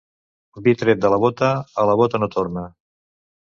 Vi tret de la bota, a la bota no torna.